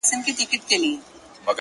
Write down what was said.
څنگه به هغه له ياده وباسم؛